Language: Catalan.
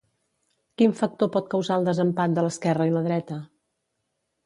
Quin factor pot causar el desempat de l'esquerra i la dreta?